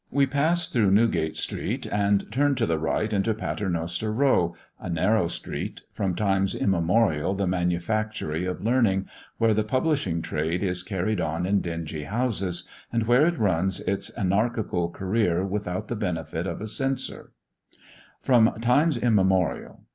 We pass through Newgate street and turn to the right into Paternoster row, a narrow street, from times immemorial the manufactory of learning, where the publishing trade is carried on in dingy houses, and where it runs its anarchical career without the benefit of a censor. "From times immemorial!"